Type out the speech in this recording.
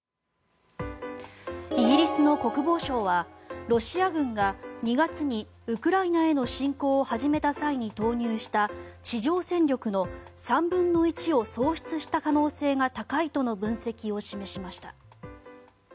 イギリスの国防省はロシア軍が２月にウクライナへの侵攻を始めた際に投入した地上戦力の３分の１を喪失した可能性が高いとの分析を示しました。